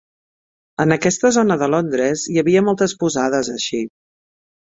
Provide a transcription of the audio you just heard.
En aquesta zona de Londres, hi havia moltes posades així.